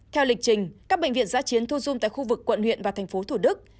theo lịch trình các bệnh viện giã chiến thu dung tại khu vực quận huyện và thành phố thủ đức